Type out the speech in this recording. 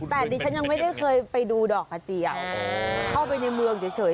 แต่ดิฉันยังไม่ได้เคยไปดูดอกกระเจียวเข้าไปในเมืองเฉย